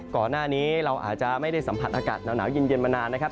ก่อนหน้านี้เราอาจจะไม่ได้สัมผัสอากาศหนาวเย็นมานานนะครับ